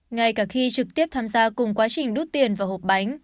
ngay cả khi trực tiếp tham gia cùng quá trình đút tiền vào hộp bánh